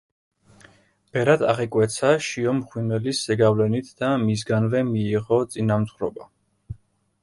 ბერად აღიკვეცა შიო მღვიმელის ზეგავლენით და მისგანვე მიიღო წინამძღვრობა.